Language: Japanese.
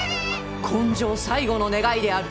今生最後の願いである！